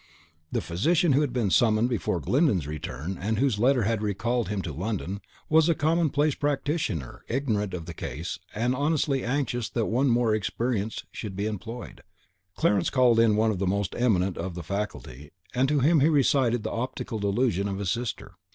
The physician who had been summoned before Glyndon's return, and whose letter had recalled him to London, was a commonplace practitioner, ignorant of the case, and honestly anxious that one more experienced should be employed. Clarence called in one of the most eminent of the faculty, and to him he recited the optical delusion of his sister.